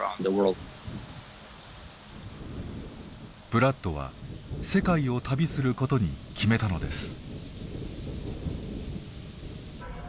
ブラッドは世界を旅することに決めたのです。